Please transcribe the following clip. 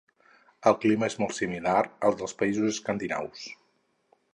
El clima és molt similar al dels països escandinaus.